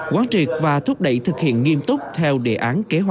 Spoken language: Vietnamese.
quán triệt và thúc đẩy thực hiện nghiêm túc theo địa điểm của các đại biểu khách mời